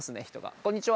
こんにちは！